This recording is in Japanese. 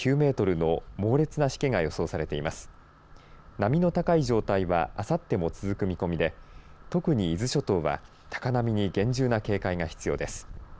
波の高い状態はあさっても続く見込みで特に伊豆諸島は高波に厳重な警戒が必要です。